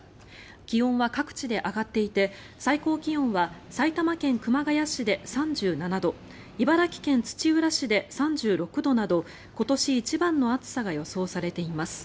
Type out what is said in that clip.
気温は各地で上がっていて最高気温は埼玉県熊谷市で３７度茨城県土浦市で３６度など今年一番の暑さが予想されています。